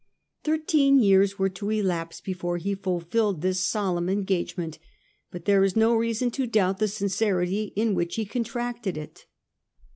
Thirteen years were to elapse before he fulfilled this solemn engagement, but there is no reason to doubt the sincerity in which he contracted it.